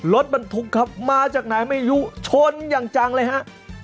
รถบรรทุกครับมาจากไหนไม่รู้ชนอย่างจังเลยฮะ